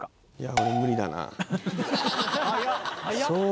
俺無理だな。